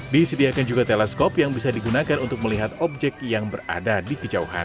disediakan juga teleskop yang bisa digunakan untuk melihat objek yang berada di kejauhan